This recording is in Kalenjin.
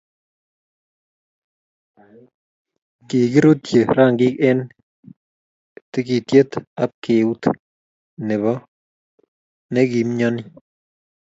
kikirutyi rangik eng tikitiet apkeut Nepo nekoimyani